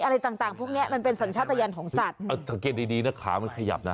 อะไรต่างต่างพวกเนี้ยมันเป็นสัญชาติยานของสัตว์เอาสังเกตดีดีนะขามันขยับนะ